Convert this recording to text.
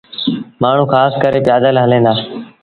مآڻهوٚٚݩ کآس ڪري پيٚآدل هليݩ دآ۔